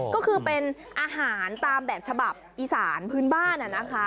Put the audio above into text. ก็คือเป็นอาหารตามแบบฉบับอีสานพื้นบ้านนะคะ